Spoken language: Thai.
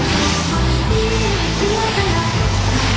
สุดท้ายสุดท้ายสุดท้าย